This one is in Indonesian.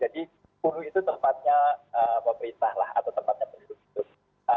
jadi hulu itu tempatnya pemerintah lah atau tempatnya penutup